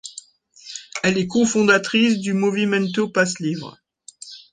Elle est co-fondatrice du Movimento Passe Livre.